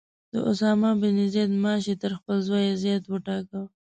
د اسامه بن زید معاش یې تر خپل زوی زیات وټاکه.